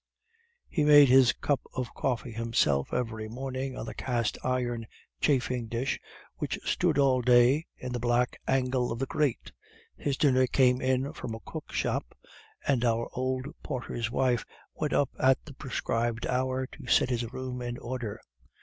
"He made his cup of coffee himself every morning on the cast iron chafing dish which stood all day in the black angle of the grate; his dinner came in from a cookshop; and our old porter's wife went up at the prescribed hour to set his room in order.